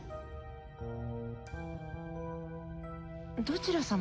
どちら様？